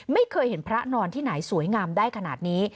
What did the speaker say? ไม่เคยเห็นพระนอนที่ไหนสวยงามได้ขนาดนี้